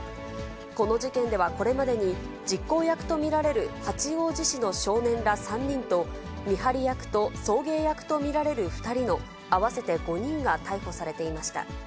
この事件ではこれまでに、実行役と見られる八王子市の少年ら３人と、見張り役と送迎役と見られる２人の合わせて５人が逮捕されていました。